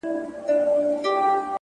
• څه ژوند كولو ته مي پريږده كنه ،